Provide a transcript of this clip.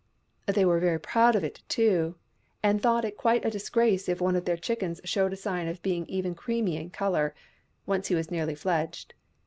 They were very proud of it, too, and thought it quite a disgrace if one of their chickens showed a sign of being even creamy in colour, once he was nearly fledged.